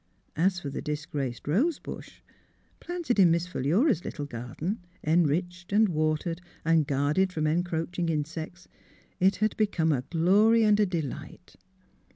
As for the 80 THE HEART OF PHILURA disgraced rose busli; planted in Miss Philura's lit tle garden, enriched and watered and gniarded from encroaching insects, it had become a glory and a delight.